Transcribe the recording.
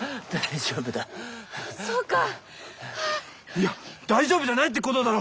いや大丈夫じゃないってことだろ！